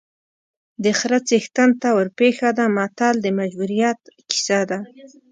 د خره څښتن ته ورپېښه ده متل د مجبوریت کیسه ده